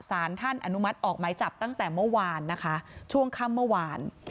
สารท่านอนุมัติออกไม้จับตั้งแต่เมื่อวานนะคะช่วงค่ำเมื่อวาน